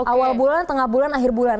awal bulan tengah bulan akhir bulan